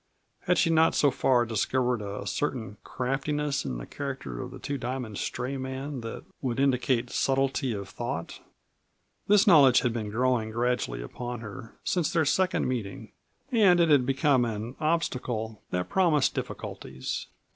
Had she not so far discovered a certain craftiness in the character of the Two Diamond stray man that would indicate subtlety of thought? This knowledge had been growing gradually upon her since their second meeting, and it had become an obstacle that promised difficulties.